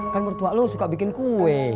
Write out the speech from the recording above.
kan bertuah lu suka bikin kue